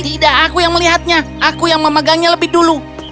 tidak aku yang melihatnya aku yang memegangnya lebih dulu